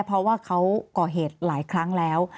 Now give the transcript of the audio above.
เพราะว่าเขาก่อเหตุหลายครั้งแล้ว